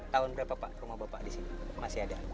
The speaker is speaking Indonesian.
tahun berapa pak rumah bapak di sini masih ada